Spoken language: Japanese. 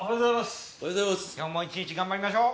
今日も一日頑張りましょう。